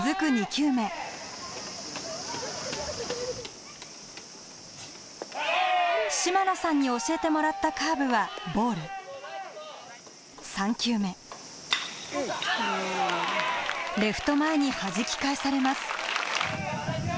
２球目島野さんに教えてもらったカーブはボール３球目レフト前にはじき返されます